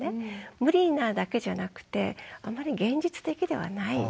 無理なだけじゃなくてあんまり現実的ではない。